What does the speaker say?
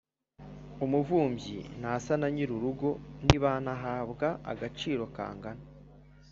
umuvumbyi ntasa na nyir’urugo ntibanahabwa agaciro kangana